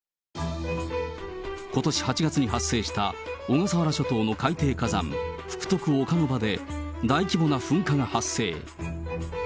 ことし８月に発生した、小笠原諸島の海底火山、福徳岡ノ場で大規模な噴火が発生。